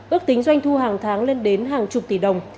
ước tính doanh thu hàng tháng lên đến hàng chục tỷ đồng